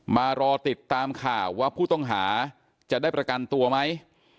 มารอติดตามข่าวว่าผู้ต้องหาจะได้ประกันตัวไหม